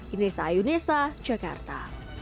inesa ayunesa jakarta